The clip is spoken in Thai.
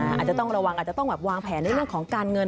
อาจจะต้องระวังอาจจะต้องแบบวางแผนในเรื่องของการเงิน